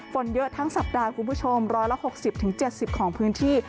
ฝนเยอะทั้งสัปดาห์คุณผู้ชม๑๖๐๗๐ของพื้นที่